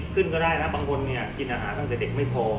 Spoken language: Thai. ๒๐ขึ้นก็ได้นะบางคนกินอาหารตั้งแต่เด็กไม่พอ